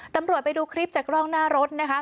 ไปดูคลิปจากกล้องหน้ารถนะคะ